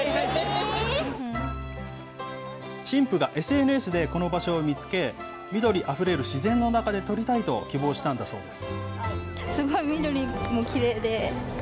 新婦がＳＮＳでこの場所を見つけ、緑あふれる自然の中で撮りたいと希望したんだそうです。